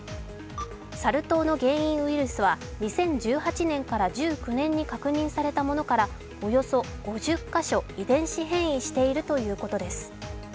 サル痘の原因ウイルスは２０１８年から１９年に確認されたものからおよそ５０カ所、遺伝子変異しているということです。